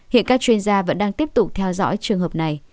hiện các chuyên gia vẫn đang tiếp tục theo dõi trường hợp này